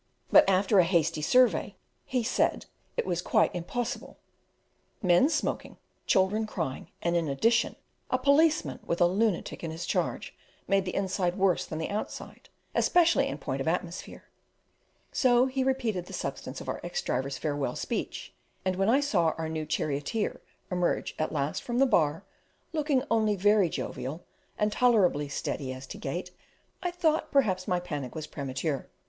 But, after a hasty survey, he, said it was quite impossible: men smoking, children crying, and, in addition, a policeman with a lunatic in his charge, made the inside worse than the outside, especially in point of atmosphere; so he repeated the substance of our ex driver's farewell speech; and when I saw our new charioteer emerge at last from the bar, looking only very jovial and tolerably steady as to gait, I thought perhaps my panic was premature.